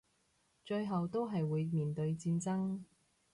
最後都係會面對戰爭